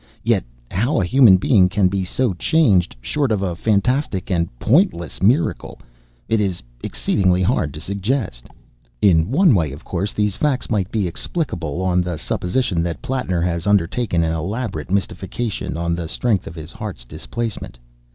Yet how a human being can be so changed, short of a fantastic and pointless miracle, it is exceedingly hard to suggest. In one way, of course, these facts might be explicable on the supposition that Plattner has undertaken an elaborate mystification, on the strength of his heart's displacement.